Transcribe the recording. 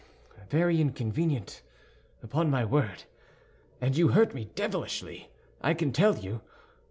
"Very inconvenient, upon my word; and you hurt me devilishly, I can tell you.